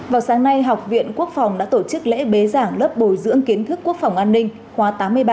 vào sáng nay học viện quốc phòng đã tổ chức lễ bế giảng lớp bồi dưỡng kiến thức quốc phòng an ninh khóa tám mươi ba